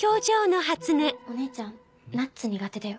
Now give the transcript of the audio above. お姉ちゃんナッツ苦手だよ。